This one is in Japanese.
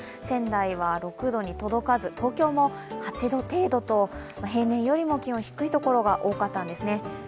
仙台は６度に届かず、東京も８度程度と、平年よりも気温低いところが多かったんですね。